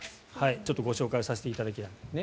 ちょっとご紹介させていただきます。